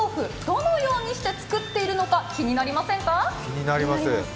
どのようにして作っているのか気になりませんか？